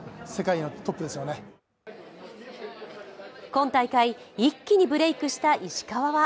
今大会、一気にブレイクした石川は